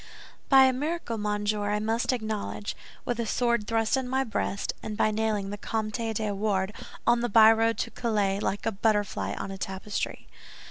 "By a miracle, monsieur, I must acknowledge, with a sword thrust in my breast, and by nailing the Comte de Wardes on the byroad to Calais, like a butterfly on a tapestry."